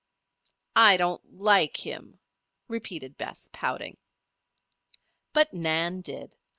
"I don't like him," repeated Bess, pouting. But Nan did.